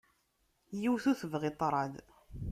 Yiwet ur tebɣi ṭṭraḍ.